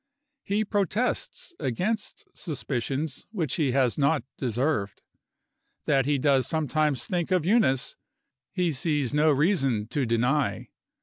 He protests against suspicions which he has not deserved. That he does sometimes think of Eunice he sees no reason to deny.